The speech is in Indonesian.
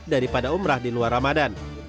daripada umrah di luar ramadan